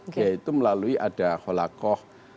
yaitu melalui ada holakoh